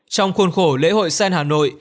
trong khuôn khổ lễ hội sen hà nội